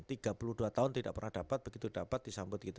tiga puluh dua tahun tidak pernah dapat begitu dapat disambut gitu